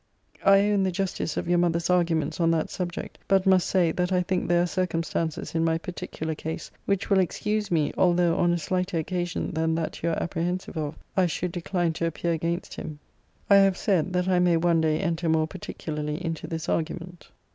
I own the justice of your mother's arguments on that subject; but must say, that I think there are circumstances in my particular case, which will excuse me, although on a slighter occasion than that you are apprehensive of I should decline to appear against him. I have said, that I may one day enter more particularly into this argument.